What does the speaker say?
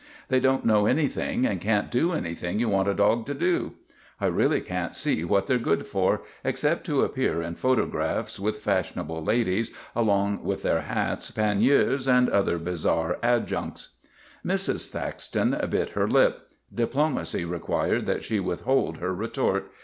They don't know anything and can't do anything you want a dog to do. I really can't see what they 're good for, except to appear in photo graphs with fashionable ladies, along with their hats, panniers, and other bizarre adjuncts." Mrs. Thaxton bit her lip. Diplomacy required that she withhold her retort.